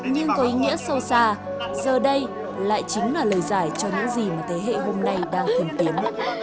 nhưng có ý nghĩa sâu xa giờ đây lại chính là lời giải cho những gì mà thế hệ hôm nay đang hướng tới